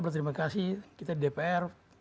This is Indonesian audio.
berterima kasih kita di dpr